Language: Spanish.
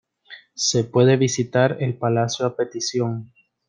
Se puede visitar el palacio a petición.